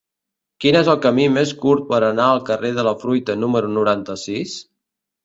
Quin és el camí més curt per anar al carrer de la Fruita número noranta-sis?